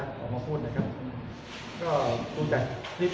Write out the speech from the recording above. ก็ครึ่งแต่คลิปที่ถามมันเป็นเหมือนกับ